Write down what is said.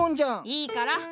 いいから！